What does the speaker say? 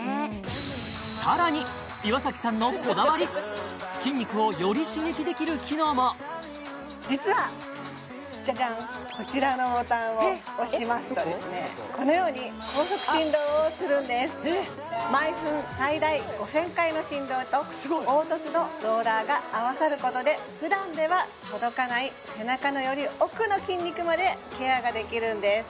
さらに岩崎さんのこだわり実はジャジャンこちらのボタンを押しますとこのように高速振動をするんです毎分最大５０００回の振動と凹凸のローラーが合わさることでふだんでは届かない背中のより奥の筋肉までケアができるんです